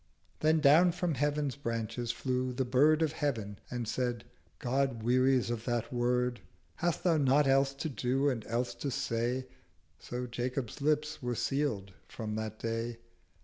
Then down from Heaven's Branches flew the Bird Of Heav'n and said 'God wearies of that word: Hast thou not else to do and else to say?' So Jacob's lips were sealéd from that Day.